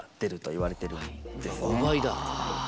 ５倍だ。